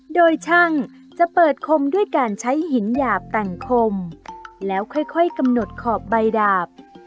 โดยช่างจะเปิดคมด้วยการใช้หินหยาบแต่งคมแล้วค่อยกำหนดขอบใบดาบ